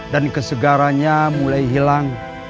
dan kesegarannya mulai hilang